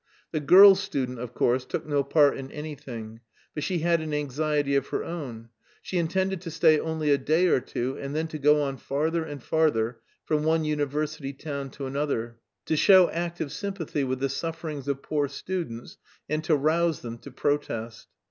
The girl student, of course, took no part in anything; but she had an anxiety of her own: she intended to stay only a day or two and then to go on farther and farther from one university town to another "to show active sympathy with the sufferings of poor students and to rouse them to protest."